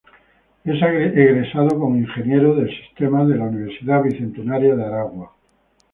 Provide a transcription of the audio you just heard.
Es egresado como Ingeniero de Sistemas de la Universidad Bicentenaria de Aragua.